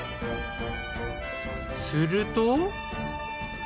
すると。